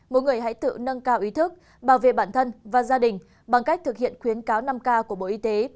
mỗi người hãy tự nâng cao ý thức bảo vệ bản thân và gia đình bằng cách thực hiện khuyến cáo năm k của bộ y tế